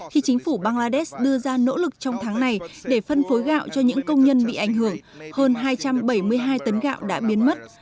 khi chính phủ bangladesh đưa ra nỗ lực trong tháng này để phân phối gạo cho những công nhân bị ảnh hưởng hơn hai trăm bảy mươi hai tấn gạo đã biến mất